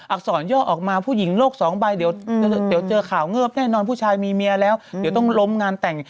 อสรย่อออกมาผู้หญิงโลกสองใบเดี๋ยวเจอข่าวเงิบแน่นอนผู้ชายมีเมียแล้วเดี๋ยวต้องล้มงานแต่ง